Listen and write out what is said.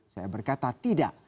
saya berkata tidak